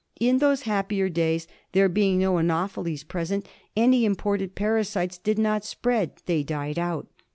In those happier days, there being no anopheles present, any imported parasites did not spread ; they died out.